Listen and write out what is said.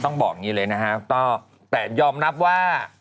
ต้องบอกเงี้ยเลยนะฮะ